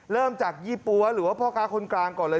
เริ่มจากยี่ปั๊วหรือว่าพ่อค้าคนกลางก่อนเลย